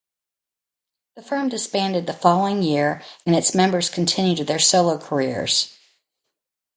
The Firm disbanded the following year and its members continued their solo careers.